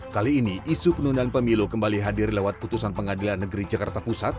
kali ini isu penundaan pemilu kembali hadir lewat putusan pengadilan negeri jakarta pusat